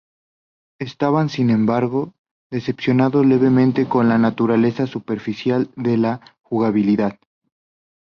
Estaban sin embargo, decepcionados levemente con la naturaleza superficial de la jugabilidad.